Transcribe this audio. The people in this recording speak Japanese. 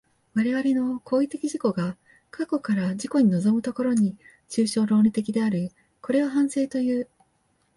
我々の行為的自己が過去から自己に臨む所に、抽象論理的である。これを反省という。